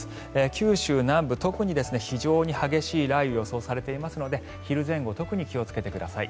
九州南部、特に非常に激しい雷雨が予想されていますので昼前後特に気をつけてください。